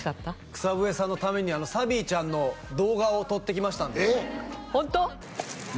草笛さんのためにサヴィちゃんの動画を撮ってきましたんでホント？